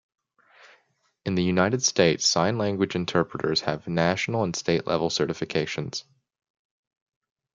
In the United States, Sign Language Interpreters have National and State level certifications.